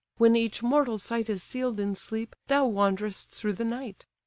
when each mortal sight Is seal'd in sleep, thou wanderest through the night?